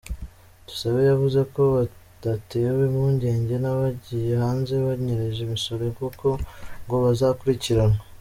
Tusabe yavuze ko badatewe impungenge n’abagiye hanze banyereje imisoro, kuko ngo bazakurikiranwa.